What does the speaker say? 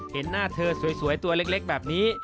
เห็นหน้าเธอสวยตัวเล็กแบบนี้